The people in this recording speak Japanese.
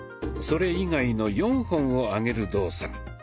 それ以外の４本を上げる動作。